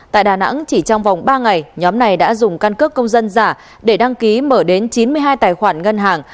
tại đà nẵng chỉ trong vòng ba ngày nhóm này đã dùng căn cước công dân giả để đăng ký mở đến chín mươi hai tài khoản ngân hàng